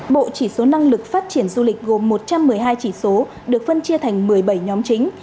bộ chỉ số năng lực phát triển du lịch gồm một trăm một mươi hai chỉ số được phân chia thành một mươi bảy nhóm chính